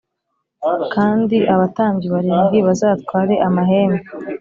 Kandi abatambyi barindwi bazatware amahembe